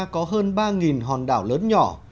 có hơn ba hòn đảo lớn nhỏ